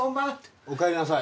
おかえりなさい。